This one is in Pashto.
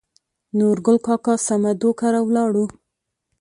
نورګل کاکا سمدو کره ولاړو.